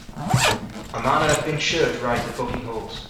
A man in a pink shirt rides a bucking horse.